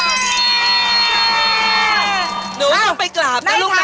หนูจะไปกราบนะลูกน้ำ